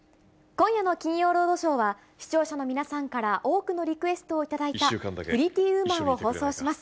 今夜の金曜ロードショーは、視聴者の皆さんから多くのリクエストを頂いた、プリティ・ウーマンを放送します。